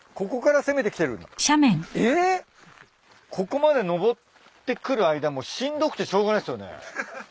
ここまで登ってくる間もうしんどくてしょうがないっすよね。